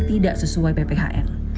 tidak sesuai pphn